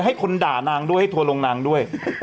ให้คนด่านางด้วยให้ทัวร์ลงนางด้วย